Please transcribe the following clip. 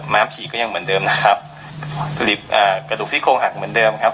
ฉี่ก็ยังเหมือนเดิมนะครับอ่ากระดูกซี่โครงหักเหมือนเดิมครับ